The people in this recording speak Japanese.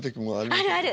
あるある。